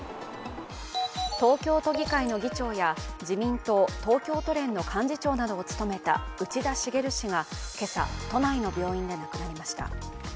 東京都議会の議長や自民党東京都連の幹事長などを務めた内田茂氏が今朝、都内の病院で亡くなりました。